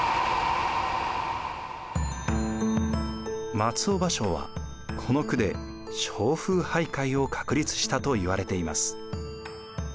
松尾芭蕉はこの句で蕉風俳諧を確立したといわれています。